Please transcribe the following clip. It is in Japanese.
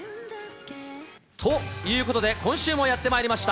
ということで、今週もやってまいりました。